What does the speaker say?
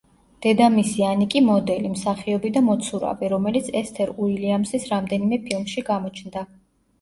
დედამისი ანი კი მოდელი, მსახიობი და მოცურავე, რომელიც ესთერ უილიამსის რამდენიმე ფილმში გამოჩნდა.